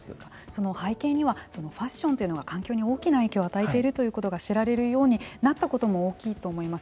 その背景にはファッションというのが環境に大きな影響を与えているということが知られるようになったことも大きいと思います。